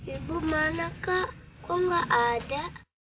ibu mana kak kok nggak ada